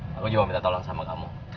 nah aku juga mau minta tolong sama kamu